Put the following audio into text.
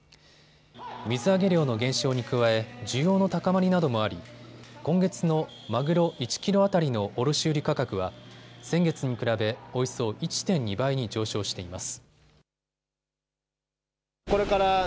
水揚げ量の減少に加え、需要の高まりなどもあり今月のマグロ１キロ当たりの卸売価格は先月に比べ、およそ１．２倍に上昇しています。